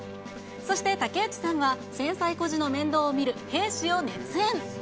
そして、武内さんは戦災孤児の面倒を見る兵士を熱演。